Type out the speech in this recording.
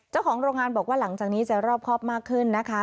เจ้าของโรงงานบอกว่าหลังจากนี้จะรอบครอบมากขึ้นนะคะ